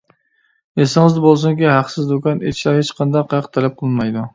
ئېسىڭىزدە بولسۇنكى، ھەقسىز دۇكان ئېچىشتا ھېچقانداق ھەق تەلەپ قىلىنمايدۇ.